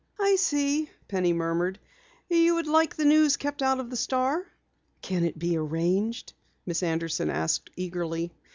"I see," Penny murmured, "you would like the news kept out of the Star?" "Can it be arranged?" Miss Anderson asked eagerly.